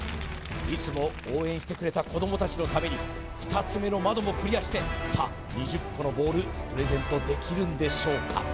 いつも応援してくれた子ども達のために２つ目の窓もクリアしてさあ２０個のボールプレゼントできるんでしょうか？